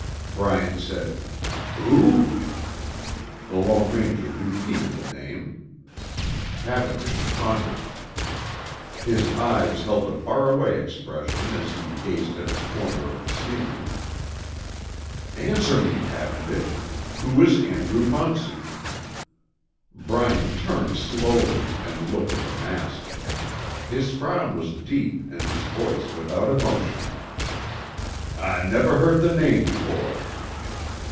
Bryant said, "Who?" The Lone Ranger repeated the name. Cavendish pondered. His eyes held a faraway expression as he gazed at a corner of the ceiling. "Answer me, Cavendish who is Andrew Munson?" Bryant turned slowly, and looked at the mask. His frown was deep, and his voice without emotion. "I never heard the name before."